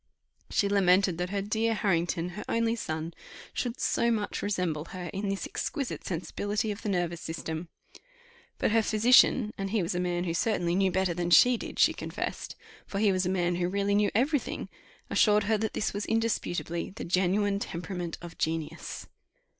She lamented that her dear Harrington, her only son, should so much resemble her in this exquisite sensibility of the nervous system. But her physician, and he was a man who certainly knew better than she did, she confessed, for he was a man who really knew every thing, assured her that this was indisputably "the genuine temperament of genius."